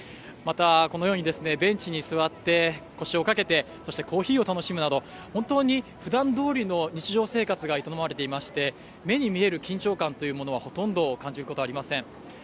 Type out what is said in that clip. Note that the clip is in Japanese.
また、このようにですねベンチに座って腰をかけて、そしてコーヒーを楽しむなど、本当に普段通りの日常生活が営まれていまして目に見える緊張感というものはほとんど感じることありません。